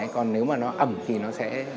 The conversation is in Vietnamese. còn nếu mà nó ẩm thì nó sẽ